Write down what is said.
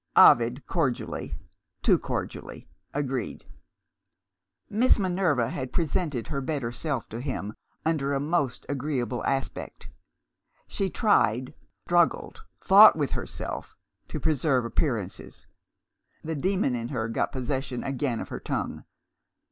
Ovid cordially (too cordially) agreed. Miss Minerva had presented her better self to him under a most agreeable aspect. She tried struggled fought with herself to preserve appearances. The demon in her got possession again of her tongue.